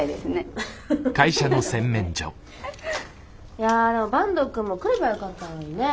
いやでも坂東くんも来ればよかったのにねえ。